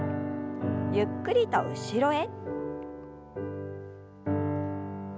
ゆっくりと後ろへ。